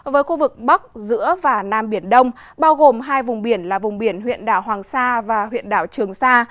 với khu vực bắc giữa và nam biển đông bao gồm hai vùng biển là vùng biển huyện đảo hoàng sa và huyện đảo trường sa